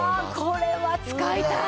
これは使いたい！